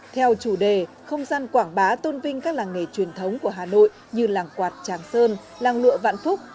theo chủ đề không gian quảng bá tôn vinh các làng nghề truyền thống của hà nội như làng quạt tràng sơn làng lụa vạn phúc